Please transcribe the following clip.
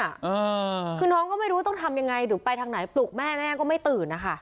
อ่าคือน้องก็ไม่รู้ต้องทำยังไงหรือไปทางไหนปลุกแม่แม่ก็ไม่ตื่นนะคะ